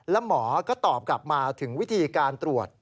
แล้วหมอก็ตอบกลับมาถึงวิธีการตรวจ